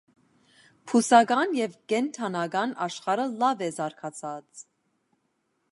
Բուսական և կենդանական աշխարհը լավ է զարգացած։